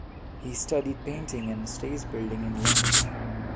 He studied painting and stage building in London.